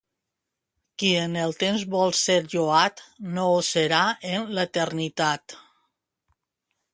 Qui en el temps vol ser lloat no ho serà en l'eternitat.